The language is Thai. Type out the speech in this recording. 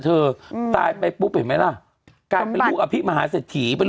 เธออืมตายไปปุ๊บเห็นไหมล่ะการเป็นลูกอภิกษ์มหาสถิเป็น